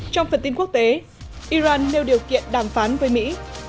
trong phần tin quốc tế iran nêu điều kiện đàm phán với mỹ